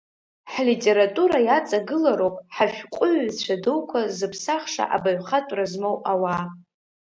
Ҳлитература иаҵагылароуп ҳашәҟәыҩҩцәа дуқәа зыԥсахша абаҩхатәра змоу ауаа.